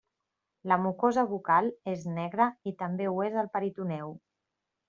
La mucosa bucal és negra i també ho és el peritoneu.